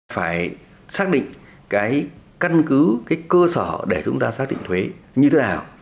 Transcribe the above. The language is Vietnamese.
phải xác định cái căn cứ cái cơ sở để chúng ta xác định thuế như thế nào